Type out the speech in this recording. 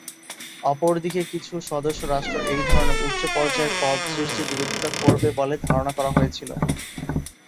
অপরদিকে কিছু সদস্য রাষ্ট্র এই ধরনের উচ্চ পর্যায়ের পদ সৃষ্টির বিরোধিতা করবে বলে ধারণা করা হয়েছিল।